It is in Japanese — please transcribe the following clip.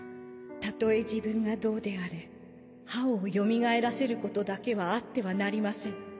たとえ自分がどうであれ葉王をよみがえらせることだけはあってはなりません。